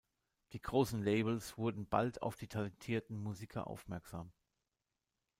Die großen Labels wurden bald auf die talentierten Musiker aufmerksam.